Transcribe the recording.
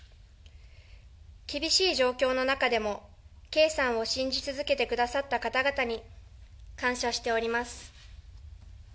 厳しい状況の中でも、圭さんを信じ続けてくださった方々に感謝しております。